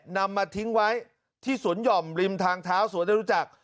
นำมาทิ้งไว้ที่สวนหย่อมริมทางเท้าสวนได้รู้จัก